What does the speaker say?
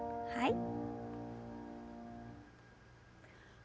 はい。